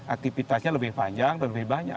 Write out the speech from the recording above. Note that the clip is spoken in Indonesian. aktivitasnya lebih panjang lebih banyak